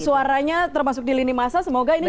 suaranya termasuk di lini masa semoga ini